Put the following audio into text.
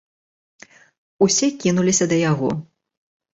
Усе кінуліся да яго.